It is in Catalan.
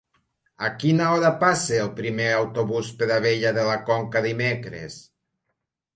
A quina hora passa el primer autobús per Abella de la Conca dimecres?